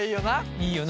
いいよな。